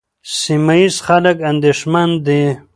سیمه ییز خلک اندېښمن دي.